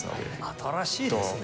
新しいですね。